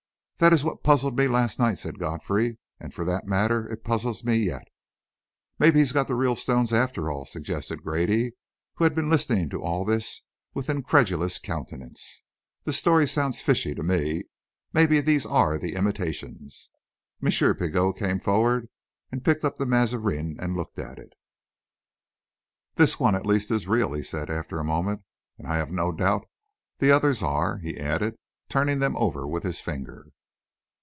"That is what puzzled me last night," said Godfrey; "and, for that matter, it puzzles me yet." "Maybe he's got the real stones, after all," suggested Grady, who had been listening to all this with incredulous countenance. "The story sounds fishy to me. Maybe these are the imitations." M. Pigot came forward and picked up the Mazarin and looked at it. "This one, at least, is real," he said, after a moment. "And I have no doubt the others are," he added, turning them over with his finger.